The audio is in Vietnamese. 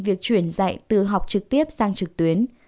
việc chuyển dạy từ học trực tiếp sang trực tuyến